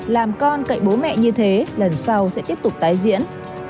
làm con cậy bố mẹ như thế lần sau sẽ tiếp tục tái diễn